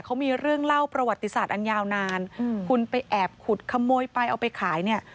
เขามีเรื่องเล่าประวัติศาสตร์อันยาวนานคุณไปแอบขุดขโมยไปเอาไปขายเนี่ย